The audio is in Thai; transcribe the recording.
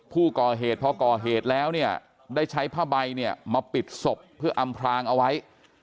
ผู้ก่อเหตุพอก่อเหตุแล้วเนี่ยได้ใช้ผ้าใบเนี่ยมาปิดศพเพื่ออำพรางเอาไว้